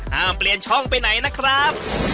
เปลี่ยนช่องไปไหนนะครับ